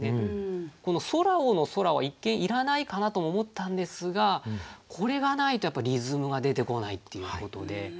この「空を」の「空」は一見いらないかなとも思ったんですがこれがないとやっぱリズムが出てこないっていうことで。